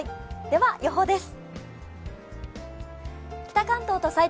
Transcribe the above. では、予報です。